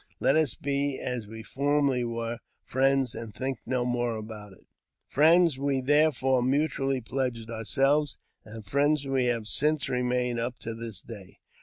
Let us be as we former! were, friends, and think no more about it." Friends we therefore mutually pledged ourselves, and friend" we have since remained up to this day.